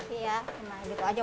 iya gitu aja